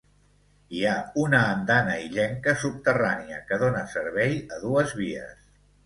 Hi ha una andana illenca subterrània que dóna servei a dues vies.